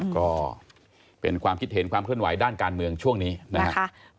ก็เป็นความคิดเห็นความเคลื่อนไหวด้านการเมืองช่วงนี้นะครับ